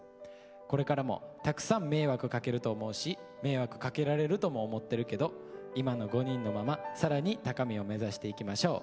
これからもたくさん迷惑かけると思うし迷惑かけられるとも思ってるけど今の５人のまま更に高みを目指していきましょう。